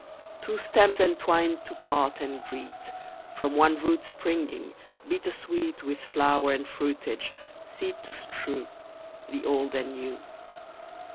Two stems entwined to part and greet, From one root springing, bitter sweet With flower and fruitage, seed to strew, The Old and New.